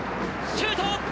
シュート。